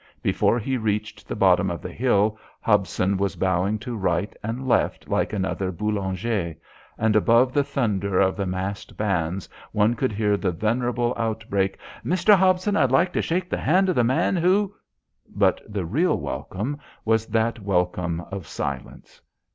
Before he reached the bottom of the hill, Hobson was bowing to right and left like another Boulanger, and, above the thunder of the massed bands, one could hear the venerable outbreak, "Mr. Hobson, I'd like to shake the hand of the man who " But the real welcome was that welcome of silence.